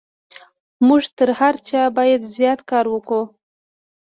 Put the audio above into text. موږ تر هر چا بايد زيات کار وکړو.